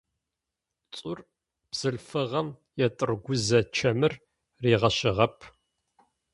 Цур бзылъфыгъэм етӏыргузэ чэмыр ригъэщыгъэп.